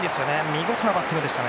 見事なバッティングでした。